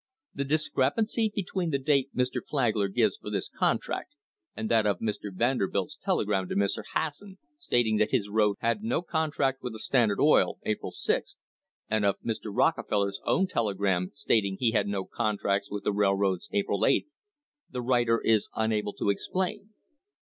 * The discrepancy between the date Mr. Flagler gives for this contract and that of Mr. Vander bilt's telegram to Mr. Hasson stating that his road had no contract with the Standard Oil Company, April 6, and of Mr. Rockefeller's own telegram stating he had no contracts with the railroads, April 8, the writer is unable to explain.